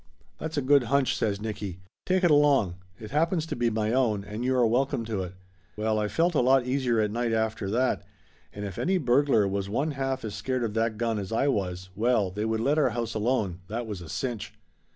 "That's a good hunch," says Nicky. "Take it along. It happens to be my own, and you are welcome to it." Well, I felt a lot easier at night after that, and if 208 Laughter Limited any burglar was one half as scared of that gun as I was, well, they would let our house alone, that was a cinch!